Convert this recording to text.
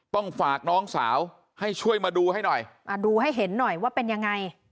ต้องฝากน้องสาวให้ช่วยมาดูให้หน่อยมาดูให้เห็นหน่อยว่าเป็นยังไง